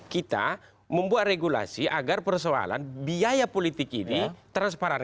kita membuat regulasi agar persoalan biaya politik ini transparan